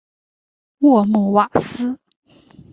沃穆瓦斯。